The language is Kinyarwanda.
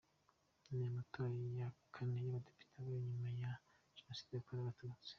Ni amatora ya Kane y’abadepite abaye nyuma ya Jenoside yakorewe Abatutsi